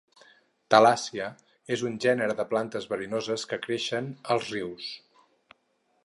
Thalassia és un gènere de plantes verinoses que creixen als rius.